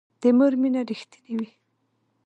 د مور مینه رښتینې وي